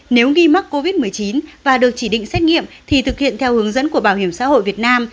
nếu nghi mắc covid một mươi chín và được chỉ định xét nghiệm thì thực hiện theo hướng dẫn của bảo hiểm xã hội việt nam